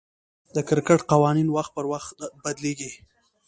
د کرکټ قوانين وخت پر وخت بدليږي.